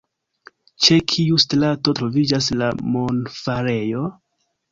Ĉe kiu strato troviĝas la monfarejo?